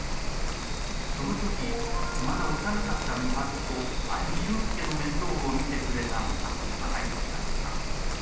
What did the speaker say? そのとき、まだ幼かった深春と兄・駿介の面倒を見てくれたのが、忠之だった。